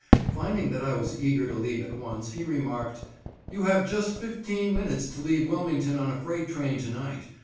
Finding that I was eager to leave at once, he remarked: "You have just about fifteen minutes to leave Wilmington on a freight train to night.